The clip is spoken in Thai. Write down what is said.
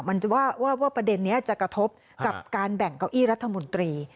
ว่าประเด็นนี้จะกระทบกับการแบ่งเก้าอี้รัฐมนตรี